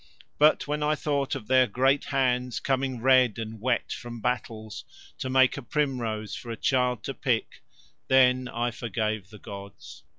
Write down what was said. But when I thought of Their great hands coming red and wet from battles to make a primrose for a child to pick, then I forgave the gods.